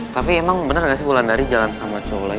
tapi emang bener gak sih wulan dari jalan sama cowok lain